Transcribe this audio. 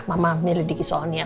mama milih diki soal nia